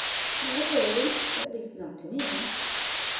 "Not a word at least not to me."